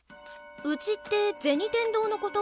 うちって銭天堂のこと？